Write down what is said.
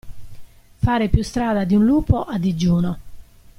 Fare più strada di un lupo a digiuno.